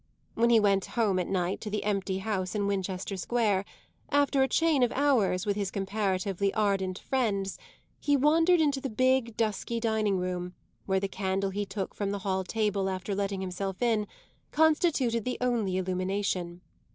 When he went home at night to the empty house in Winchester Square, after a chain of hours with his comparatively ardent friends, he wandered into the big dusky dining room, where the candle he took from the hall table, after letting himself in, constituted the only illumination.